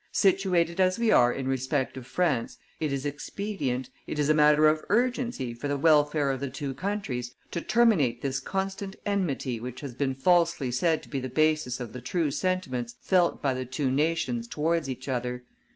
Situated as we are in respect of France, it is expedient, it is a matter of urgency for the welfare of the two countries, to terminate this constant enmity which has been falsely said to be the basis of the true sentiments felt by the two nations towards each other.